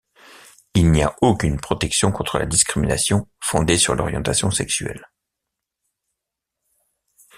Il n'y a aucune protection contre la discrimination fondée sur l'orientation sexuelle.